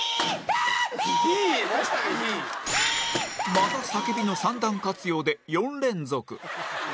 また叫びの三段活用で４連続